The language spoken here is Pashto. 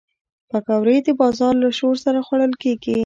پکورې د بازار له شور سره خوړل کېږي